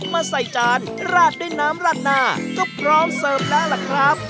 มาใส่จานราดด้วยน้ำราดหน้าก็พร้อมเสิร์ฟแล้วล่ะครับ